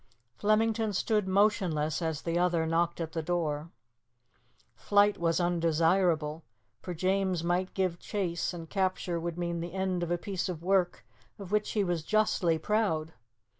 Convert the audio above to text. Flemington stood motionless as the other knocked at the door. Flight was undesirable, for James might give chase, and capture would mean the end of a piece of work of which he was justly proud.